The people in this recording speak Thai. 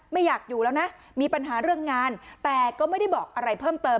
ไม่อยากอยู่แล้วนะมีปัญหาเรื่องงานแต่ก็ไม่ได้บอกอะไรเพิ่มเติม